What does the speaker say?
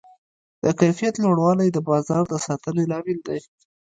د کیفیت لوړوالی د بازار د ساتنې لامل دی.